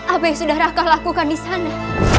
apa yang sudah raka lakukan disana